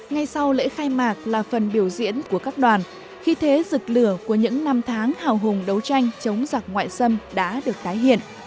ngay sau lễ khai mạc là phần biểu diễn của các đoàn khi thế giực lửa của những năm tháng hào hùng đấu tranh chống giặc ngoại xâm đã được tái hiện